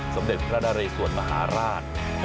สมเด็จพระนเรสวรมหาราช